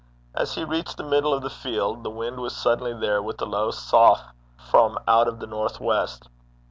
As he reached the middle of the field, the wind was suddenly there with a low sough from out of the north west.